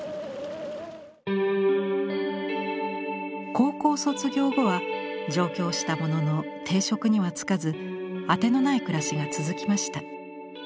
高校を卒業後は上京したものの定職には就かず当てのない暮らしが続きました。